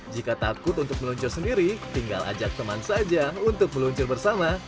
jika takut untuk meluncur sendiri tinggal ajak teman saja untuk meluncur bersama